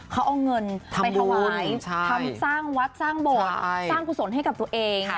เขาเอาเงินไปถวายทำสร้างวัดสร้างโบสถ์สร้างกุศลให้กับตัวเอง